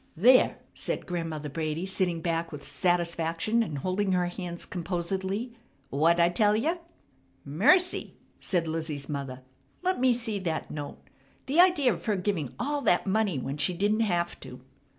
"There!" said Grandmother Brady sitting back with satisfaction and holding her hands composedly, "Whadd' I tell ya?" "Mercy!" said Lizzie's mother, "Let me see that note! The idea of her giving all that money when she didn't have to!"